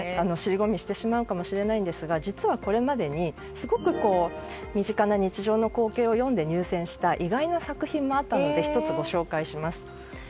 尻込みしてしまうかもしれないんですが実はこれまでにすごく身近な日常の光景を詠んで入選した意外な作品があったので１つ、ご紹介します。